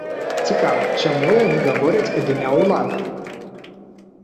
Цікава, чаму яны гавораць ад імя ўладаў?